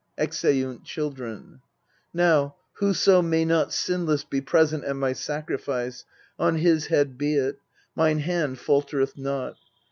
[Exeunt CHILDREN. Now, whoso may not Sinless be present at my sacrifice, On his head be it : mine hand faltereth not.